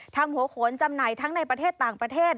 ทำหัวโขนจำหน่ายทั้งในประเทศต่างประเทศ